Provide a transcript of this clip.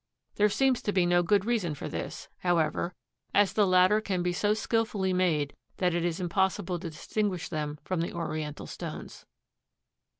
There seems to be no good reason for this, however, as the latter can be so skillfully made that it is impossible to distinguish them from the Oriental stones.